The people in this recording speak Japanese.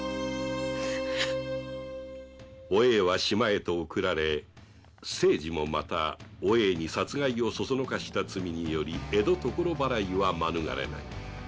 お栄は島へと送られ清次もまたお栄に殺害を唆した罪により江戸所払いは免れない